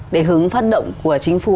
để hướng phát động của chính phủ